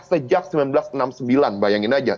sejak seribu sembilan ratus enam puluh sembilan bayangin aja